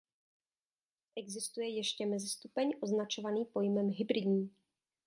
Existuje ještě mezistupeň označovaný pojmem Hybridní.